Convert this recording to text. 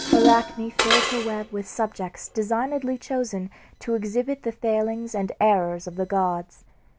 Arachne filled her web with subjects designedly chosen to exhibit the failings and errors of the gods.